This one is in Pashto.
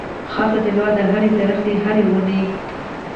خاص جلوه د هري درختي هري وني